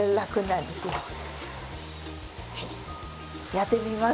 やってみます？